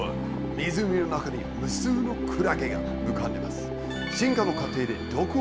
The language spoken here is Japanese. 湖の中に無数のクラゲが浮かんでいます。